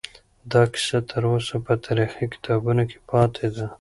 دا کیسه تر اوسه په تاریخي کتابونو کې پاتې ده.